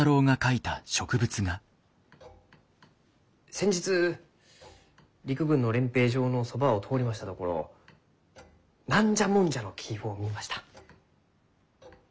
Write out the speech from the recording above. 先日陸軍の練兵場のそばを通りましたところナンジャモンジャの木を見ました。